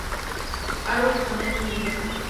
Árbol de tamaño mediano.